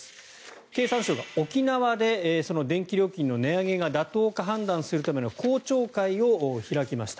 経産省が沖縄で電気料金の値上げが妥当か判断するための公聴会を開きました。